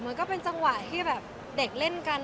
มันก็เป็นจังหวะที่แบบเด็กเล่นกัน